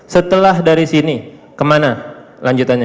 setelah dari sini kemana lanjutannya